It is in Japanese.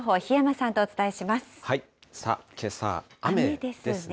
さあ、けさ、雨ですね。